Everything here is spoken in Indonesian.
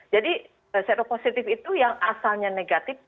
jadi seropositif itu yang asalnya negatif